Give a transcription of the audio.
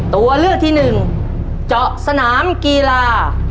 ตัวเลือกที่หนึ่งเจาะสนามกีฬา